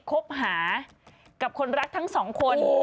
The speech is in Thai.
คบหากับคนรักทั้งสองคน